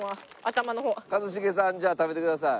一茂さんじゃあ食べてください。